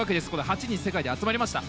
８人、世界で集まりました。